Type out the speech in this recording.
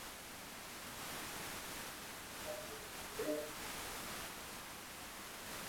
Terminó en el noveno lugar de la categoría "mejor guardameta del año".